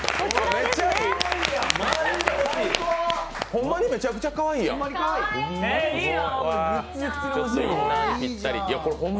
ほんまにめちゃくちゃかわいいやん。